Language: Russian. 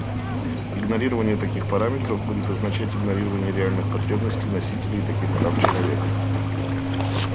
Игнорирование таких параметров будет означать игнорирование реальных потребностей носителей таких прав человека.